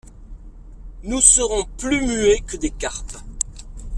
Nous serons plus muets que des carpes.